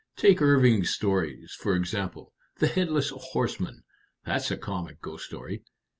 Take Irving's stories, for example. The 'Headless Horseman' that's a comic ghost story.